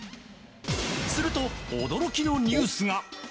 すると、驚きのニュースが。